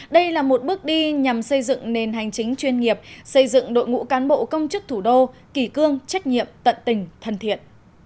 đây là một bước đi nhằm xây dựng nền hành chính chuyên nghiệp xây dựng đội ngũ cán bộ công chức thủ đô kỳ cương trách nhiệm tận tình thân thiện